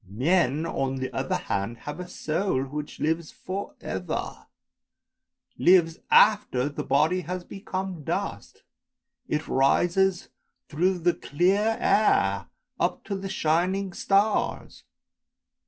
Men, on the other hand, have a soul which lives for ever, lives after the body has become dust; it rises through the clear air, up to the shining stars!